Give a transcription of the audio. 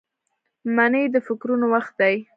منی د فکرونو وخت دی